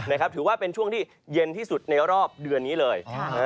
ถือว่าเป็นช่วงที่เย็นที่สุดในรอบเดือนนี้เลย